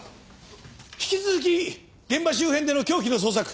引き続き現場周辺での凶器の捜索